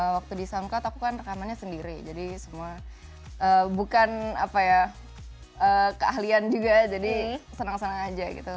waktu di soundcard aku kan rekamannya sendiri jadi semua bukan keahlian juga jadi senang senang aja gitu